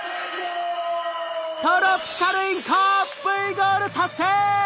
トロピカルインコＶゴール達成！